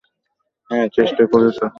হ্যাঁ, চেষ্টা করেছ।